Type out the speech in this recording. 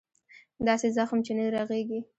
داسې زخم چې نه رغېږي.